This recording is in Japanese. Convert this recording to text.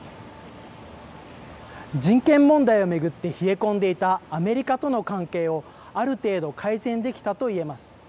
人権問題を巡って冷え込んでいたアメリカとの関係をある程度改善できたといえます。